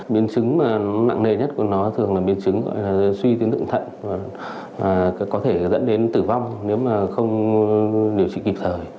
biến chứng mạng nề nhất của nó thường là biến chứng gọi là suy tiến tượng thận có thể dẫn đến tử vong nếu mà không điều trị kịp thời